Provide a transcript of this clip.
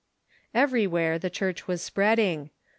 Everywhere the Church was spreading.